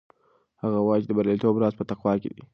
هغه وایي چې د بریالیتوب راز په تقوا کې دی.